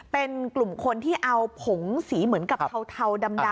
เป็นกลุ่มคนที่เอาผงสีเหมือนกับเทาดำ